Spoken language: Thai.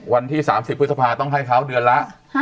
วันที่๓๐พฤษภาต้องให้เขาเดือนละ